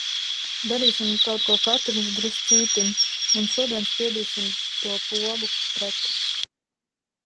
"Darīsim kaut ko katrs druscītiņ un šodien spiedīsim to pogu "pret"."